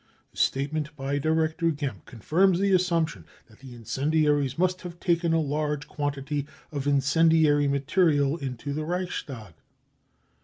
Phis statement by Director Gempp confirms the assumption that the incendiaries must have taken a large quantity of incendiary material into the Reichstag.